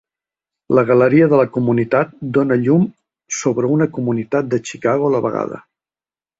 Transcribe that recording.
La galeria de la comunitat dóna llum sobre una comunitat de Chicago a la vegada.